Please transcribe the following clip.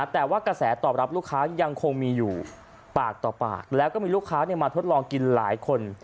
แต่ว่ากระแสตอบรับลูกค้ายังคงมีอยู่ปากต่อปากแล้วก็มีลูกค้ามาทดลองกินหลายคน